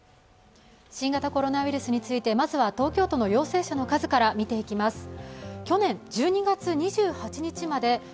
新型コロナウイルスについて、まずは東京都の陽性者の数から見ていきます。